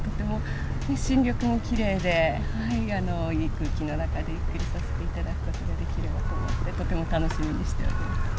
新緑もきれいでいい空気の中でゆっくりさせていただくことができればと思ってとても楽しみにしております。